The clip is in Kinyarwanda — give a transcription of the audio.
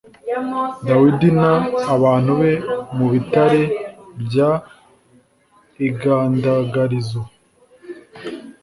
Dawidi n abantu be mu bitare by igandagarizo